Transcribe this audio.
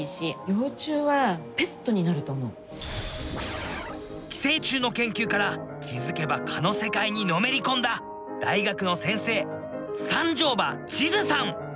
ほんとに寄生虫の研究から気付けば蚊の世界にのめり込んだ大学の先生三條場千寿さん。